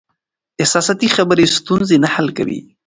احساساتي خبرې ستونزې نه حل کوي.